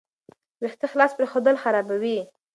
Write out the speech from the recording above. ویښتې خلاص پریښودل خرابوي.